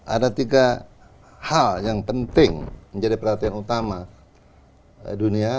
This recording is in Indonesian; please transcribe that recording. ada tiga hal yang penting menjadi perhatian utama dunia